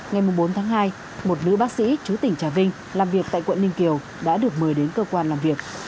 ngày bốn tháng hai một nữ bác sĩ chú tỉnh trà vinh làm việc tại quận ninh kiều đã được mời đến cơ quan làm việc